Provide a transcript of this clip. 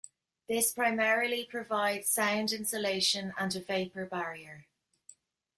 This primarily provides sound insulation and a vapour barrier.